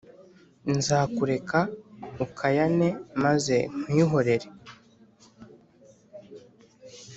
Nzakureka ukayane, maze nkwihorere